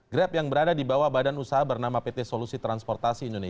grab yang berada di bawah badan usaha bernama pt solusi transportasi